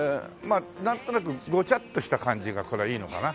あなんとなくごちゃっとした感じがこれはいいのかな。